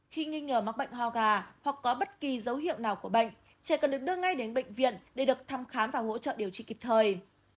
khi nghi ngờ mắc bệnh ho gà hoặc có bất kỳ dấu hiệu nào của bệnh trẻ cần được đưa ngay đến bệnh viện để được thăm khám và hỗ trợ điều trị kịp thời